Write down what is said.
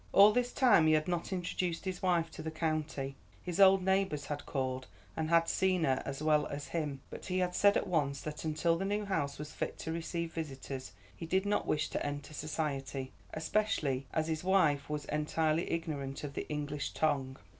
All this time he had not introduced his wife to the county. Of course, his old neighbours had called and had seen her as well as him, but he had said at once that until the new house was fit to receive visitors he did not wish to enter society, especially as his wife was entirely ignorant of the English tongue.